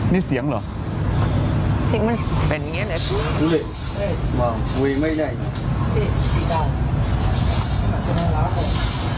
นี่เสียงเหรอเป็นอย่างเงี้ยเนี้ย